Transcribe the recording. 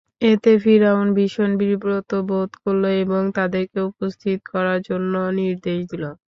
এতে ফিরআউন ভীষণ বিব্রত বোধ করল এবং তাদেরকে উপস্থিত করার জন্যে নির্দেশ দিল।